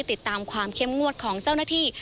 ติดตามความเข้มงวดของเจ้าหน้าที่